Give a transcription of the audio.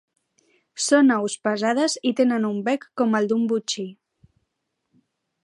Són aus pesades i tenen un bec com el d'un botxí.